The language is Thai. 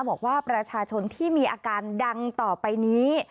บอกว่าประชาชนที่มีอาการดังต่อไปนี้